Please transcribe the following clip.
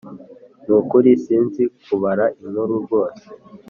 Nukuri sinzi kubara inkuru rwose